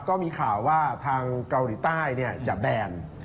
ก็มีข่าวว่าทางเกาหลีใต้จะแบน